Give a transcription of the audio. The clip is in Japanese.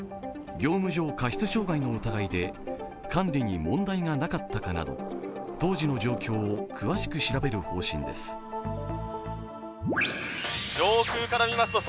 業務上過失傷害の疑いで管理に問題がなかったかなど、当時の状況を詳しく調べる方針です。